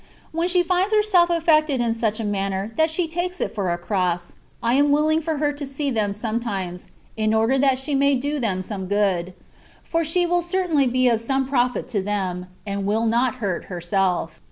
When she finds herself affected in such a manner that she takes it for a cross, I am willing for her to see them sometimes, in order that she may do them some good; for she will certainly be of some profit THE WAY OP PERFECTION. 45 to them, and will not hurt herself.